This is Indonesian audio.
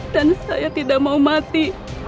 dan saya tidak mau mati